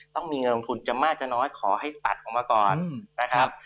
ต้องมีเงินลงทุนจะมากจะน้อยขอให้ตัดออกมาก่อนนะครับ